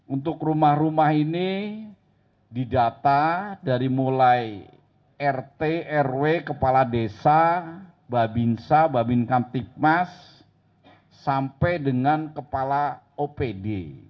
untuk rumah rumah ini didata dari mulai rt rw kepala desa babinsa babinkam tikmas sampai dengan kepala opd